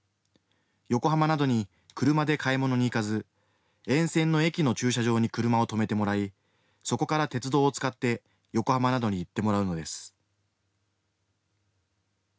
横浜などに車で買い物に行かず沿線の駅の駐車場に車を止めてもらいそこから鉄道を使って横浜などに行ってもらうのです。